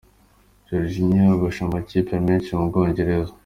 Jorginho yahogoje amakipe menshi mu Bwongereza.